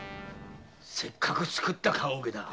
せっかく作った棺オケだ。